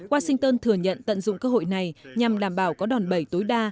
washington thừa nhận tận dụng cơ hội này nhằm đảm bảo có đòn bẩy tối đa